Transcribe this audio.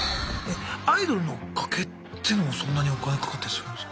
アイドルのおっかけっていうのもそんなにお金かかったりするんすか？